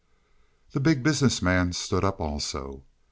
The Big Business Man stood up also.